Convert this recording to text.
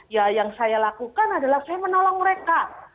ya yang saya lakukan adalah saya menolong mereka